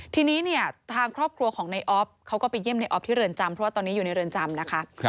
ทีนี้เนี่ยทางครอบครัวของในออฟเขาก็ไปเยี่ยมในออฟที่เรือนจำเพราะว่าตอนนี้อยู่ในเรือนจำนะคะ